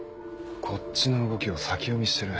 こっちの動きを先読みしてる。